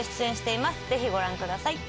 ぜひご覧ください。